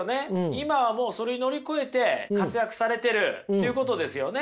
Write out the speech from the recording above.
今はもうそれ乗り越えて活躍されてるっていうことですよね。